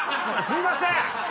すいません！